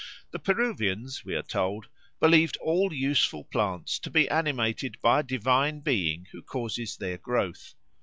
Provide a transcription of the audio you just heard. The Peruvians, we are told, believed all useful plants to be animated by a divine being who causes their growth.